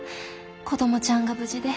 子どもちゃんが無事で。